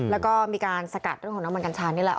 แล้วก็มีการสกัดเรื่องของน้ำมันกัญชานี่แหละ